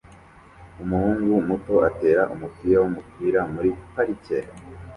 Umuhungu muto atera umupira wumupira muri parike